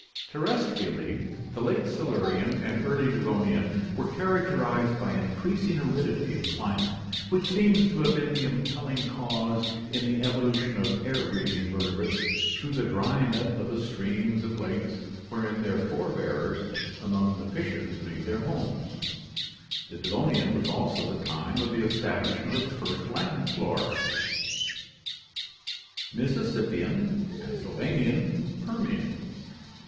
Terrestrially the late Silurian and early Devonian were charac terized by increasing aridity of climate, which seems to have been the impelling cause in the evolution of air breathing vertebrates through the drying up of the streams and lakes wherein their fore bears among the fishes made their homes (see Chapter XXIX). The Devonian was also the time of the establishment of the first land flora. Mississippian, Pennsylvanian, Permian.